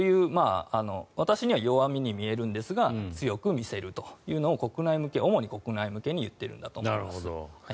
私には弱みに見えるんですが強く見せるというのを主に国内向けに言っているんだと思います。